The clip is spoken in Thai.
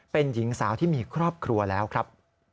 เป็นหญิงสาวที่มีครอบครัวแล้วครับ